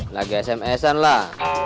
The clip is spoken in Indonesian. lagi sms an lah